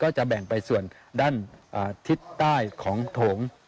จะแบ่งไปส่วนด้านทิศใต้ของโถง